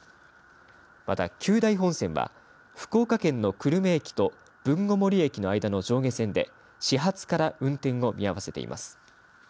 また久大本線は福岡県の久留米駅と豊後森駅の間の上下線で始発から運転を見合わせています。